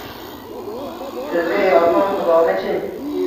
Sizga yolg‘on, xudoga chin